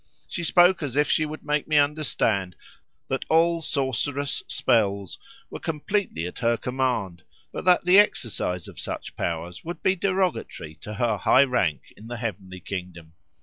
She spoke as if she would make me understand that all sorcerous spells were completely at her command, but that the exercise of such powers would be derogatory to her high rank in the heavenly kingdom.